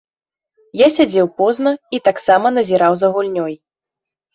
Я сядзеў позна і таксама назіраў за гульнёй.